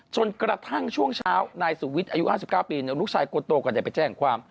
จนกระทั่งช่วงเช้านายสุวิทย์อายุ๕๙ปีลูกชายคนโตก็ได้ไปแจ้งความ